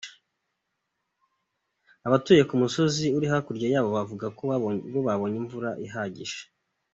Abatuye ku musozi uri hakurya yabo bavuga ko bo babonye imvura ihagije.